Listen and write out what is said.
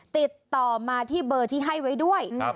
ติดต่อมาที่เบอร์ที่ให้ไว้ด้วย